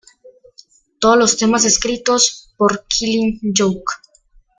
Todos los temas escritos por Killing Joke.